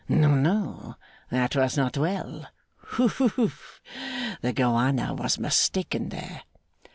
No, no. That was not well. Whoof! The Gowana was mistaken there.